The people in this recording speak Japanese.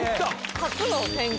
初の展開